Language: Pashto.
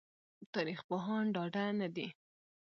تاريخ پوهان ډاډه نه دي